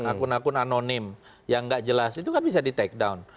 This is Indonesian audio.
akun akun anonim yang nggak jelas itu kan bisa di take down